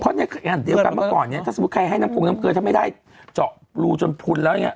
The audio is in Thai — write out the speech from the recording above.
เพราะในขณะเดียวกันเมื่อก่อนเนี่ยถ้าสมมุติใครให้น้ำพงน้ำเกลือถ้าไม่ได้เจาะรูจนพุนแล้วอย่างนี้